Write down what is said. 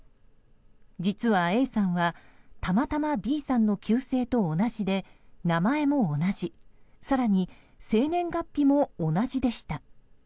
実は、ＡさんはたまたまＢさんの旧姓と同じで名前も同じ更に生年月日も同じでした。